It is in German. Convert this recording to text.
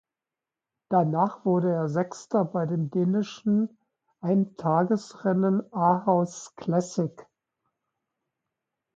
Danach wurde er Sechster bei dem dänischen Eintagesrennen Aarhus Classic.